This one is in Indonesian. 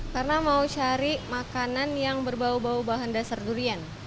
karena mau cari makanan yang berbau bau bahan dasar durian